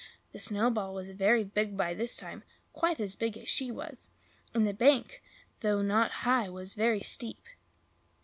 The snowball was very big by this time, quite as big as she was; and the bank, though not high, was very steep.